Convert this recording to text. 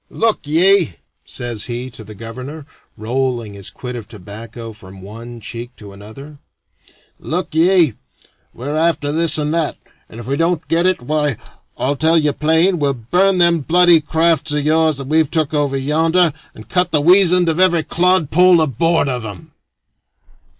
"Look ye," says he to the governor, rolling his quid of tobacco from one cheek to another "look ye, we're after this and that, and if we don't get it, why, I'll tell you plain, we'll burn them bloody crafts of yours that we've took over yonder, and cut the weasand of every clodpoll aboard of 'em."